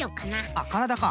あっからだか。